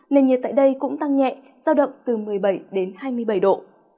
nền nhiệt tại đây cũng tăng nhẹ giao động từ một mươi bảy đến hai mươi bảy độ